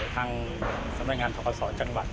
ทางสำเนินงานธราไปศาลจังหวัด